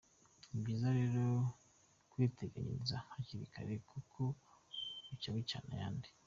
Ni byiza rero kwiteganyiriza hakiri kare kuko bucya bucyana ayandi.